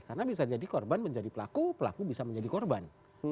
karena bisa jadi korban menjadi pelaku pelaku bisa menjadi korban